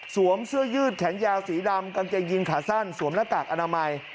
เสื้อยืดแขนยาวสีดำกางเกงยินขาสั้นสวมหน้ากากอนามัย